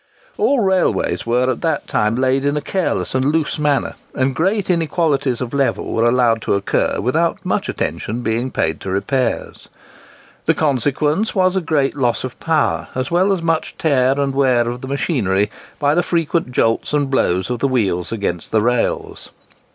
All railways were at that time laid in a careless and loose manner, and great inequalities of level were allowed to occur without much attention being paid to repairs. The consequence was a great loss of power, as well as much tear and wear of the machinery, by the frequent jolts and blows of the wheels against the rails.